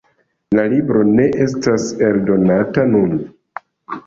La libro ne estas eldonata nun.